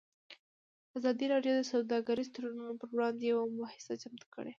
ازادي راډیو د سوداګریز تړونونه پر وړاندې یوه مباحثه چمتو کړې.